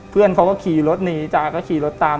เพื่อนเขาก็ขี่รถหนีจาก็ขี่รถตาม